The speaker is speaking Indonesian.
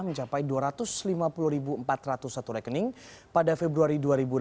mencapai dua ratus lima puluh empat ratus satu rekening pada februari dua ribu delapan belas